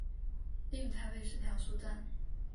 另有台北市漂书站。